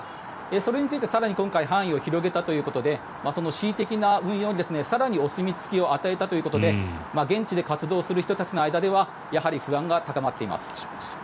それについて、更に今回範囲を広げたということでその恣意的な運用に、更にお墨付きを与えたということで現地で活動する人たちの間ではやはり不安が高まっています。